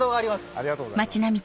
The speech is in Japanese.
ありがとうございます。